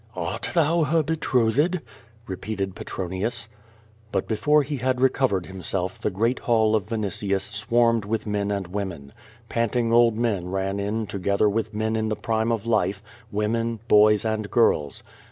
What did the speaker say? "Art thou her betrotlied?" repeated Petronius. But before he had recovered himself the great hall of Vin itius swarmed with men and women. Panting old men ran in together with men in the prime of life, women, boys, and girls.